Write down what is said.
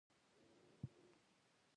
هوښیاري شرافت نه دی چې له وړو سره زور وکړي.